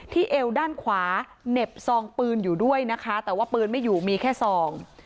เอวด้านขวาเหน็บซองปืนอยู่ด้วยนะคะแต่ว่าปืนไม่อยู่มีแค่ซอง